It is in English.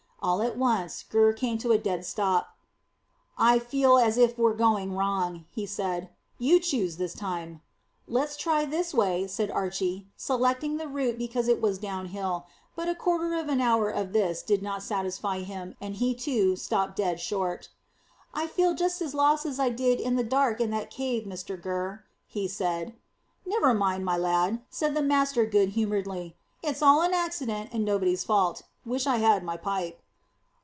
All at once Gurr came to a dead stop. "I feel as if we're going wrong," he said. "You choose this time." "Let's try this way," said Archy, selecting the route because it was down hill; but a quarter of an hour of this did not satisfy him, and he too stopped dead short. "I feel just as much lost as I did in the dark in that cave, Mr Gurr," he said. "Never mind, my lad," said the master good humouredly. "It's all an accident, and nobody's fault. Wish I had my pipe."